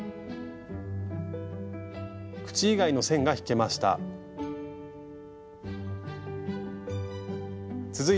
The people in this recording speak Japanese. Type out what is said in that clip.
口以外の線が引けました。